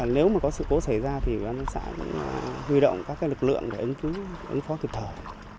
nếu có sự cố xảy ra thì văn xã sẽ huy động các lực lượng để ứng phó kịp thời